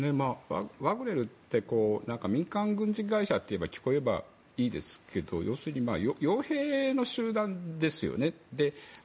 ワグネルって民間軍事会社と言えば聞こえはいいですけど要するに傭兵の集団ですよね。